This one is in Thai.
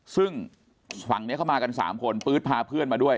ซึ่งฝั่งนี้เข้ามากัน๓คนปื๊ดพาเพื่อนมาด้วย